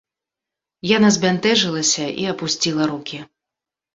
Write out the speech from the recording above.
Яна збянтэжылася і апусціла рукі.